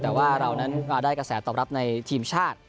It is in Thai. แต่ว่าเรานั้นได้กระแสตอบรับในทีมชาติ